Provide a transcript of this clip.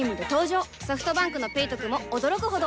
ソフトバンクの「ペイトク」も驚くほどおトク